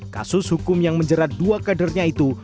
kasus hukum yang menjerat dua kadernya itu